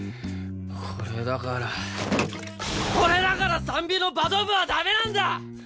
これだからこれだからサンビのバド部は駄目なんだ！